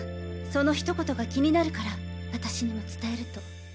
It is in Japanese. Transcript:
そのひと言が気になるから私にも伝えると。